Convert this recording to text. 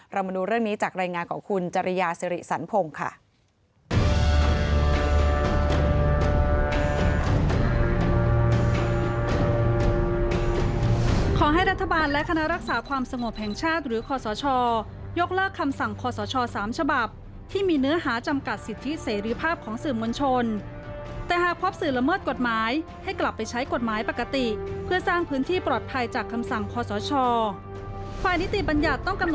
มาดูเรื่องนี้จากรายงานของคุณจริยาสิริสันพงศ์ค่ะ